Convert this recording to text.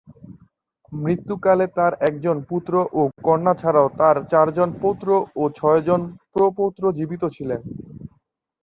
মৃত্যুকালে তার একজন পুত্র ও কন্যা ছাড়াও তার চারজন পৌত্র ও ছয়জন প্রপৌত্র জীবিত ছিলেন।